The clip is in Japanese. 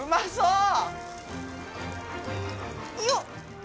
よっ！